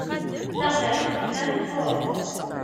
Taɣbalut yellan teqqur.